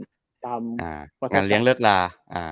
งานเลี้ยงเลิกลา